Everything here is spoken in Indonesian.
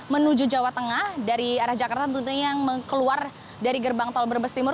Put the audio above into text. menuju jawa tengah dari arah jakarta tentunya yang keluar dari gerbang tol brebes timur